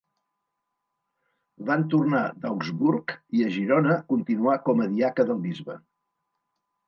Van tornar d'Augsburg i, a Girona, continuà com a diaca del bisbe.